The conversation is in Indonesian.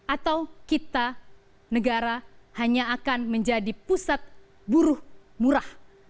atau kita negara hanya akan menjadi pusat buruh murah